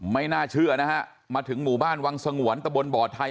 ไม่น่าเชื่อนะฮะมาถึงหมู่บ้านวังสงวนตะบนบ่อไทย